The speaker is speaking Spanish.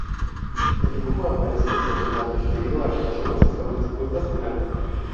El dibujo aparece distorsionado debido a que las obras estaban dispuestas en alto.